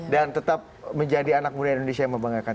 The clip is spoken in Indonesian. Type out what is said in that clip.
dan tetap menjadi anak muda indonesia yang membanggakan